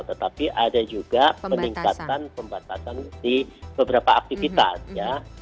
tetapi ada juga peningkatan pembatasan di beberapa aktivitas ya